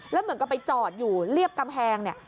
แล้วเหมือนกับไปจอดอยู่เรียบกำแพงเนี่ย